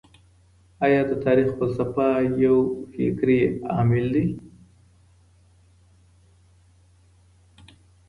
ايا د تاريخ فلسفه يو فکري عامل دی؟